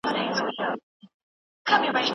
یا خوراک وو یا وهل به یې شخوندونه